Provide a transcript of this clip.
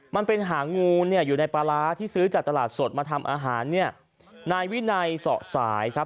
มันเป็นหางูเนี่ยอยู่ในปลาร้าที่ซื้อจากตลาดสดมาทำอาหารเนี่ยนายวินัยเสาะสายครับ